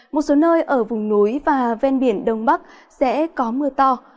một số nơi ở vùng núi và ven biển đông bắc sẽ có mưa to